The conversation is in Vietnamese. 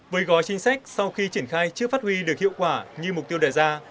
với gói chính sách sau khi triển khai trước phát huy được hiệu quả như mục tiêu đề ra